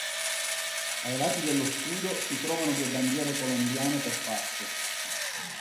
Ai lati dello scudo si trovano due bandiere colombiane per parte.